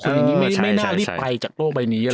ตัวไรดิไม่น่ารีบไปจากโต๊ะใบนี้